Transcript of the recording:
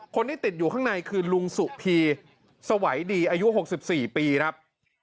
คนที่ติดอยู่ข้างในคือลุงสุพีสวัยดีอายุ๖๔ปีครับ